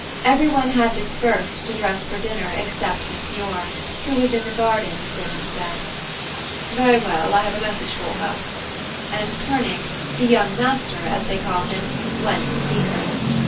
Everyone had dispersed to dress for dinner except Miss Muir, who was in the garden, the servant said. "Very well, I have a message for her"; and, turning, the "young master," as they called him, went to seek her.